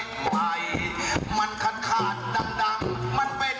ผ้าหักง่องเยาว์ใส่พร้าวที่ก่อนจะให้พอ